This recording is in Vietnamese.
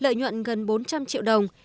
lợi nhuận gần bốn trăm linh triệu đồng